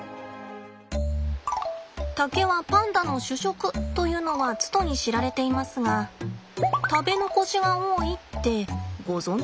竹はパンダの主食というのはつとに知られていますが食べ残しが多いってご存じです？